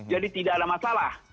jadi tidak ada masalah